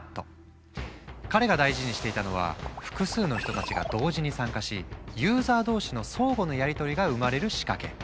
彼が大事にしていたのは複数の人たちが同時に参加しユーザー同士の相互のやりとりが生まれる仕掛け。